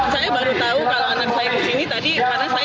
saya baru tahu kalau anak saya di sini tadi karena saya